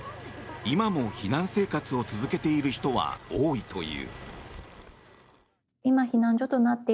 今も避難生活を続けている人は多いという。